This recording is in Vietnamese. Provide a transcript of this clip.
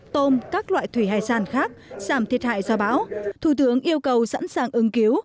tôm các loại thủy hải sản khác giảm thiệt hại do bão thủ tướng yêu cầu sẵn sàng ứng cứu